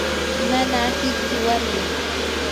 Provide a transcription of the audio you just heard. nanaa hiqchi warmim.